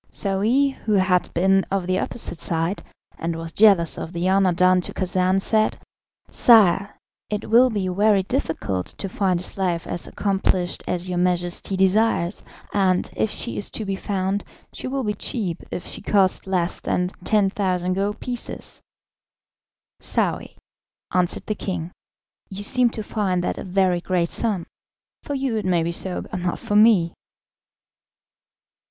Saouy, who had been of the opposite side, and was jealous of the honour done to Khacan, said, "Sire, it will be very difficult to find a slave as accomplished as your Majesty desires, and, if she is to be found, she will be cheap if she cost less than 10,000 gold pieces." "Saouy," answered the king, "you seem to find that a very great sum. For you it may be so, but not for me."